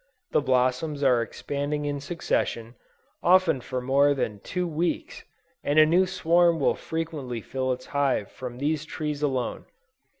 The blossoms are expanding in succession, often for more than two weeks, and a new swarm will frequently fill its hive from these trees alone.